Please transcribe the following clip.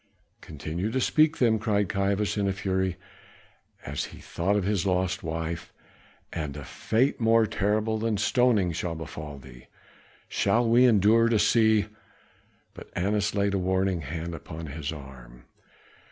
"Continue to speak them," cried Caiaphas in a fury, as he thought of his lost wife, "and a fate more terrible than stoning shall befall thee. Shall we endure to see " But Annas laid a warning hand upon his arm.